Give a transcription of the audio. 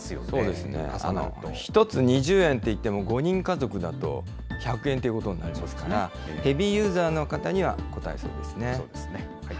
そうですね、１つ２０円といっても５人家族だと１００円ということになりますから、ヘビーユーザーの方にはこたえそうですね。